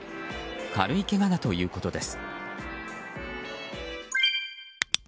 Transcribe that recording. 軽いけがだということです。